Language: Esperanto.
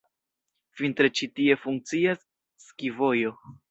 Vintre ĉi tie funkcias ski-vojo.